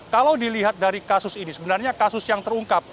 kalau dilihat dari kasus ini sebenarnya kasus yang terungkap